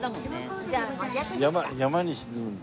山に沈むんだ。